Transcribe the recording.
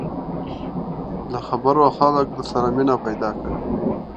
له خبرو خلک در سره مینه پیدا کوي